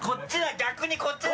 逆にこっちだ！